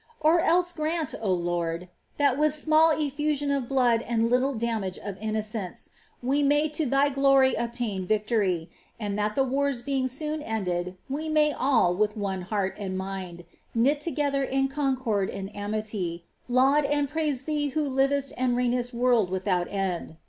Or else grant, O Lord, that with small effusion of blood and little damage of innocents, we may to thy glort obtain victory, and that tlic wars being soon ended, we may all, with one heart and mind, knit together in concord and amity, laud and praise Thee who livesi and reignest world without end.